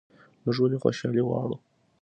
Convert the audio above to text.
موږ ولې خوشحالي غواړو؟